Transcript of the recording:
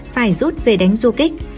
phải rút về đánh du kích